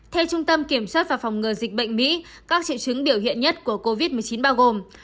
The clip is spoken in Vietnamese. theo trung tâm kiểm soát và phòng ngừa dịch bệnh mỹ các triệu chứng biểu hiện nhất của covid một mươi chín bao gồm